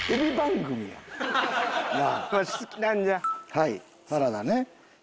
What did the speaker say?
はいサラダね。